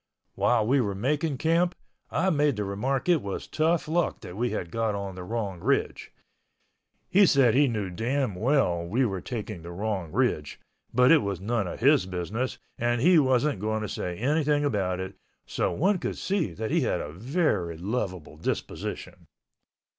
While we were making camp, I made the remark it was tough luck that we got on the wrong ridge. He said he knew damn well we were taking the wrong ridge, but it was none of his business, and he wasn't going to say anything about it, so one can see he had a very lovable disposition.